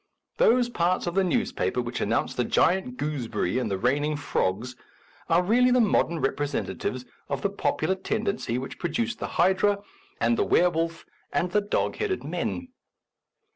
Those parts of the newspaper which announce the giant gooseberry and the raining frogs are really the modern representatives of the popular tendency which produced the hydra and the were wolf and the dog headed men.